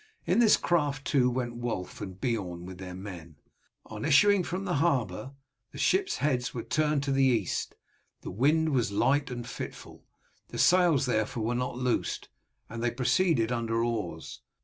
In this craft too went Wulf and Beorn with their men. On issuing from the harbour the ships' heads were turned to the east. The wind was light and fitful, the sails therefore were not loosed, and they proceeded under oars.